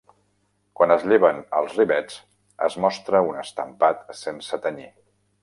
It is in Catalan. Quan es lleven els rivets es mostra un estampat sense tenyir.